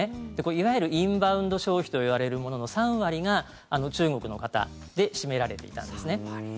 いわゆるインバウンド消費といわれるものの３割が中国の方で占められていたんですね。